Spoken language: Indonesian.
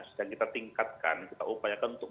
sedang kita tingkatkan kita upayakan untuk